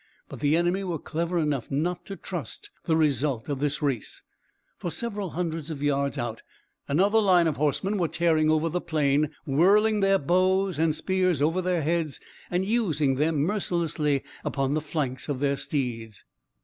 But the enemy were clever enough not to trust to the result of this race, for several hundreds of yards out another line of horsemen was tearing over the plain, whirling their bows and spears over their heads and using them mercilessly upon the flanks of their steeds.